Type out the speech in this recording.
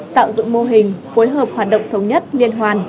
tạo dựng mô hình phối hợp hoạt động thống nhất liên hoàn